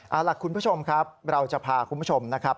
เอาล่ะคุณผู้ชมครับเราจะพาคุณผู้ชมนะครับ